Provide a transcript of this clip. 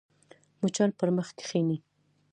مچان پر مخ کښېني